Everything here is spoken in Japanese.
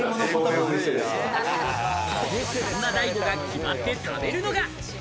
そんなＤＡＩＧＯが決まって食べるのが。